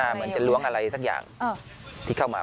เหมือนจะล้วงอะไรสักอย่างที่เข้ามา